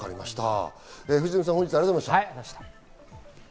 藤富さん、本日はありがとうございました。